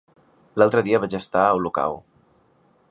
L'altre dia vaig estar a Olocau.